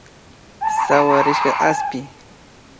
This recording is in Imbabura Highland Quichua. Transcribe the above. Sawarishka aspi